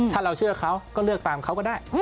ถ้าเราเชื่อเขาก็เลือกตามเขาก็ได้